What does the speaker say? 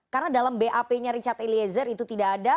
karena dalam bap nya richard eliezer itu tidak ada